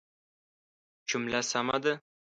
جمله سمه ده